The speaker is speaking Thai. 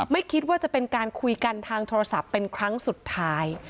ไม่คิดว่าจะเป็นการคุยกันทางโทรศัพท์เป็นครั้งสุดท้าย